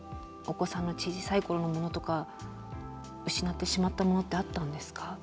お子さんの小さい頃のものとか失ってしまったものってあったんですか？